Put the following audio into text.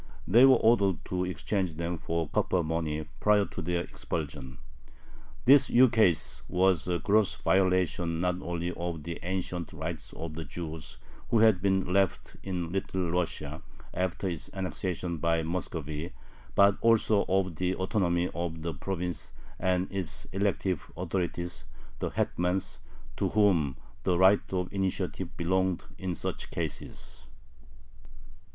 They were ordered to exchange them for copper money prior to their expulsion. This ukase was a gross violation not only of the ancient rights of the Jews who had been left in Little Russia after its annexation by Muscovy, but also of the autonomy of the province and its elective authorities, the hetmans, to whom the right of initiative belonged in such cases.